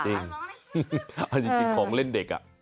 เอาจริงของเล่นเด็ก